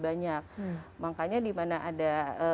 banyak makanya di mana ada